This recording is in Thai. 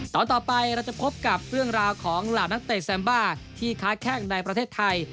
ตอนต่อไปเราจะพบกับเรื่องราวของเหล่านักเตะแซมบ้าที่ค้าแข้งในประเทศไทย